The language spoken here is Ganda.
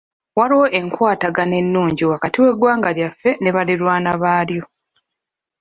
Waliwo enkwatagana ennungi wakati w'eggwanga lyaffe ne baliraanwa baalyo.